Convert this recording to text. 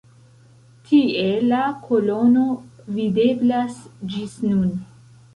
Tie la kolono videblas ĝis nun.